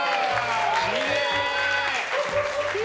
きれい！